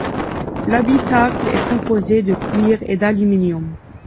L'habitacle est composé de cuir et d'aluminium.